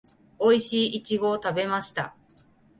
おいしいイチゴを食べました